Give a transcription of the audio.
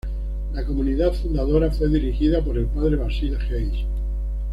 La comunidad fundadora fue dirigida por el padre Basil Hayes.